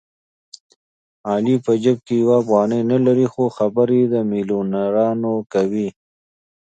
علي په جېب کې یوه افغانۍ نه لري خو خبرې د مېلیونرانو کوي.